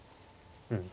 うん。